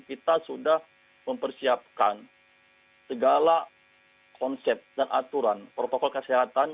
kita sudah mempersiapkan segala konsep dan aturan protokol kesehatan